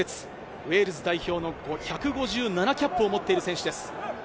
ウェールズ代表の５５７キャップを持ってる選手です。